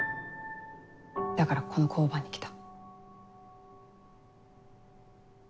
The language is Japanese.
だからこの交番に来た。